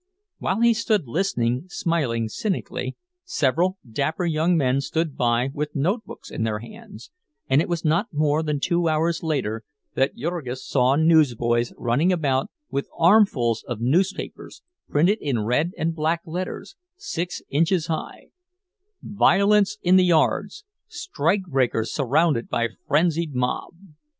While he stood listening, smiling cynically, several dapper young men stood by with notebooks in their hands, and it was not more than two hours later that Jurgis saw newsboys running about with armfuls of newspapers, printed in red and black letters six inches high: VIOLENCE IN THE YARDS! STRIKEBREAKERS SURROUNDED BY FRENZIED MOB!